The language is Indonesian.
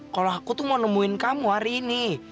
kalau aku tuh mau nemuin kamu hari ini